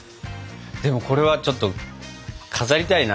でもこれはちょっと飾りたいな。